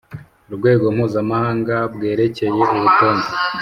Rwego mpuzamahanga bwerekeye urutonde